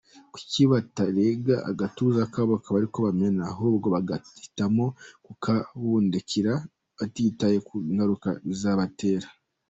Kuki batarega agatuza kabo ngo ariko bamena , ahubwo bagahitamo kukabundikira batitahe kungaruka bizabatera?